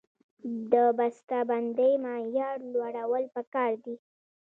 د بسته بندۍ معیار لوړول پکار دي